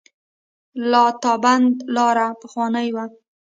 د لاتابند لاره پخوانۍ وه